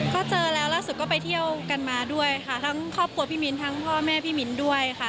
ก็เจอแล้วล่าสุดก็ไปเที่ยวกันมาด้วยค่ะทั้งครอบครัวพี่มิ้นทั้งพ่อแม่พี่มิ้นด้วยค่ะ